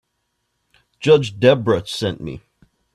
Judge Debra sent me.